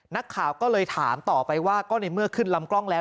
นักข่าวก็เลยถามต่อไปว่าก็ในเมื่อขึ้นลำกล้องแล้ว